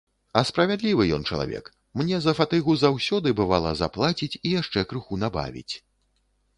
А справядлівы ён чалавек, мне за фатыгу заўсёды, бывала, заплаціць і яшчэ крыху набавіць.